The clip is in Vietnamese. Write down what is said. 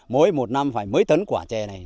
mỗi một năm phải mấy tấn quả chè này